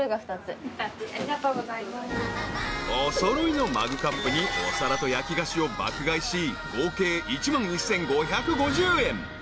［お揃いのマグカップにお皿と焼き菓子を爆買いし合計１万１，５５０円］